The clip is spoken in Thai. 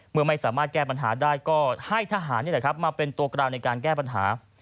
เมื่อไม่สามารถแก้ปัญหาได้ก็ให้ทหารมาเป็นตัวกราวในการแก้ปัญหา